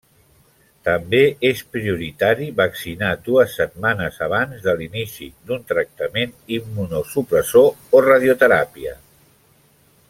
També és prioritari vaccinar dues setmanes abans de l’inici d’un tractament immunosupressor o radioteràpia.